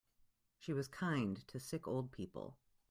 She was kind to sick old people.